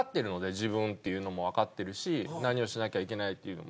自分っていうのもわかってるし何をしなきゃいけないっていうのも。